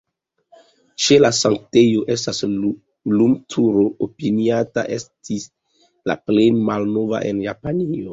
Ĉe la sanktejo estas lumturo, opiniata esti la plej malnova en Japanio.